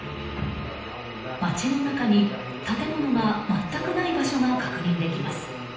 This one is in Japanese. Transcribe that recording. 町の中に建物が全くない場所が確認できます。